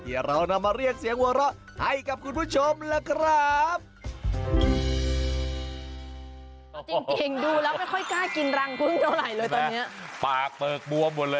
เรานำมาเรียกเสียงหัวเราะให้กับคุณผู้ชมล่ะครับ